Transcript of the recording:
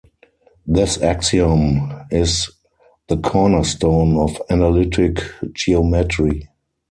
This axiom is the cornerstone of analytic geometry.